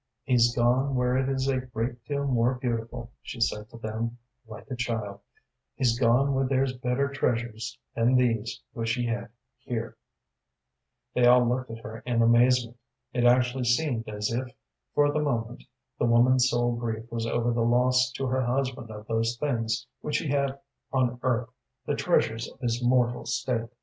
"He's gone where it is a great deal more beautiful," she said to them, like a child. "He's gone where there's better treasures than these which he had here." They all looked at her in amazement. It actually seemed as if, for the moment, the woman's sole grief was over the loss to her husband of those things which he had on earth the treasures of his mortal state.